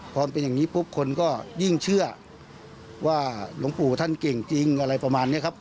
พอเป็นอย่างนี้ปุ๊บคนก็ยิ่งเชื่อว่าหลวงปู่ท่านเก่งจริงอะไรประมาณนี้ครับ